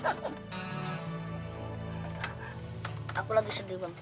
di perkenalkan dansa l siblings